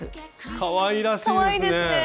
かわいらしいですね！